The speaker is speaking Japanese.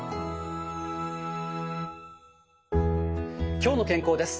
「きょうの健康」です。